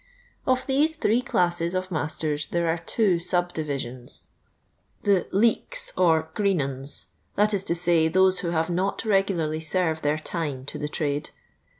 Of these three classes of masters there are two subdivisions. The " leeks " or •* green nns," that is to sny, those who have not regularly served iheir time to the trade.